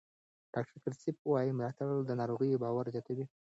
ډاکټر کریسپ وایي ملاتړ د ناروغانو باور زیاتوي.